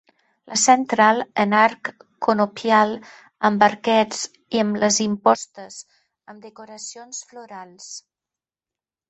La central en arc conopial amb arquets i amb les impostes amb decoracions florals.